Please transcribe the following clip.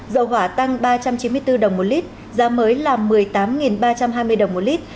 dầu hỏa tăng ba trăm chín mươi bốn đồng một lít giá mới là một mươi tám ba trăm hai mươi đồng một lít